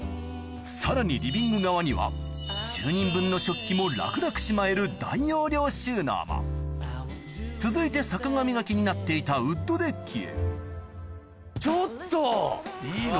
さらにリビング側には１０人分の食器も楽々しまえる続いて坂上が気になっていたちょっと！